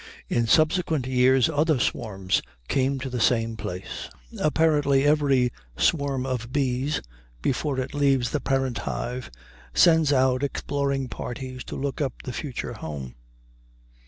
In subsequent years other swarms came to the same place. Apparently every swarm of bees, before it leaves the parent hive, sends out exploring parties to look up the future home.